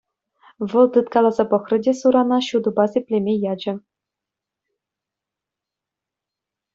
Вӑл тыткаласа пӑхрӗ те сурана ҫутӑпа сиплеме ячӗ.